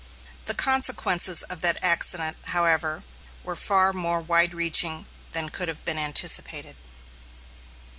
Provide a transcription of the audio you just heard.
The consequences of that accident, however, were far more wide reaching than could have been anticipated.